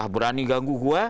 berani ganggu gua